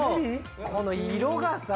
この色がさ。